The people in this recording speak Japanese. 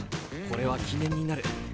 これは記念になる。